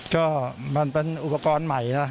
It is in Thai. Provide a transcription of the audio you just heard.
ก็มันเป็นอุปกรณ์ใหม่นะ